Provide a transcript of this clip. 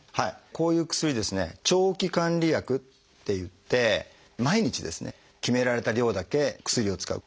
こういう薬ですね「長期管理薬」っていって毎日決められた量だけ薬を使う。